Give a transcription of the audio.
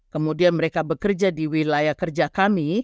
kemudian mereka bekerja di wilayah kerja kami